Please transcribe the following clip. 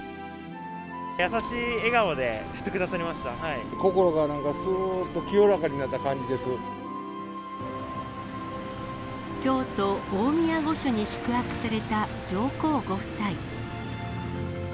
優しい笑顔で振ってくださり心がすーっと清らかになった京都大宮御所に宿泊された上皇ご夫妻。